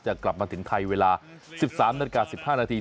กลับมาถึงไทยเวลา๑๓นาฬิกา๑๕นาที